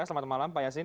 selamat malam pak yasin